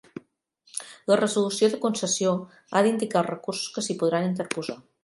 La resolució de concessió ha d'indicar els recursos que s'hi podran interposar.